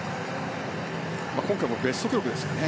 今回もベスト記録ですね。